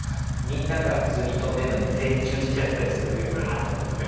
みんなが普通に跳んでんのに前宙しちゃったりするよなと思って。